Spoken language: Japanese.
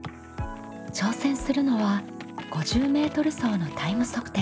挑戦するのは５０ｍ走のタイム測定。